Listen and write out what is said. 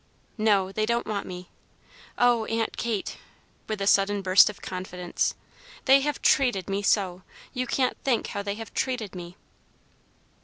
"No, they don't want me! Oh, Aunt Kate!" with a sudden burst of confidence, "they have treated me so! You can't think how they have treated me!"